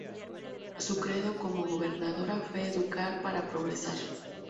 Su credo como gobernadora fue "educar para progresar".